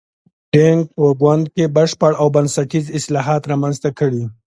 دینګ په ګوند کې بشپړ او بنسټیز اصلاحات رامنځته کړي.